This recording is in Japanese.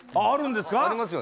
あるんですか？